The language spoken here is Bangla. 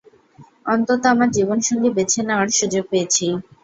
অন্তত আমার জীবনসঙ্গী বেছে নেওয়ার সুযোগ পেয়েছি।